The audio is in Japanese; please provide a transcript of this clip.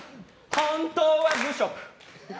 本当は無職。